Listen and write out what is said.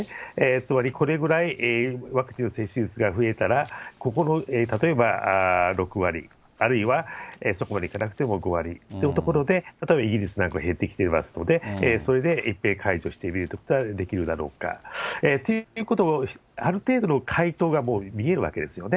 つまりこれくらいワクチンの接種率が増えたら、ここの、例えば６割、あるいはそこまでいかなくても５割というところで、例えばイギリスなんかは減ってきてますので、それで一定解除してみることができるだろうかということをある程度の回答が見えるわけですよね。